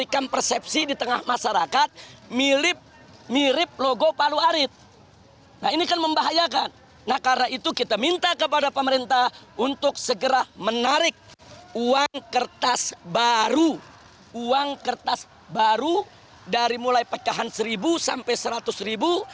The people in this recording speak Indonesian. kita meminta uang kertas baru uang kertas baru dari mulai pecahan seribu sampai seratus ribu